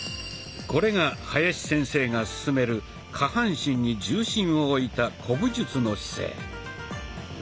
これが林先生が勧める下半身に重心を置いた古武術の姿勢。